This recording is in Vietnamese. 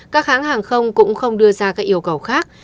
các hãng hàng không cũng không đưa ra các yêu cầu khác